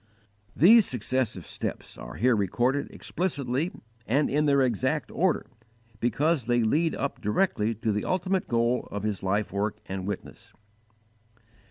"_ These successive steps are here recorded explicitly and in their exact order because they lead up directly to the ultimate goal of his life work and witness.